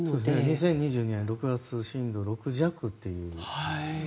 ２０２２年６月は震度６弱というね。